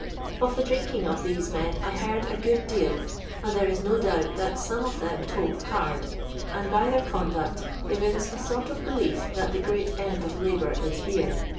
Of the drinking of these men I heard a good deal, and there is no doubt that some of Uiem tope hard, and by their conduct evince a sort of belief that the great end of labour is beer.